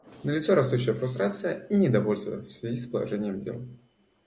Налицо растущая фрустрация и недовольство в связи с положением дел.